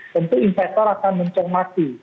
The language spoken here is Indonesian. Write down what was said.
tentu investor akan mencermati